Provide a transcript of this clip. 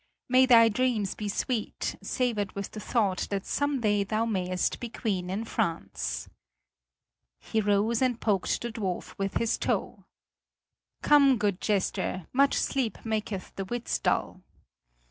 May thy dreams be sweet, savored with the thought that some day thou mayst be Queen in France." He rose and poked the dwarf with his toe. "Come, good jester, much sleep maketh the wits dull."